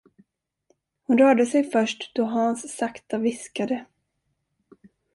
Hon rörde sig först, då Hans sakta viskade.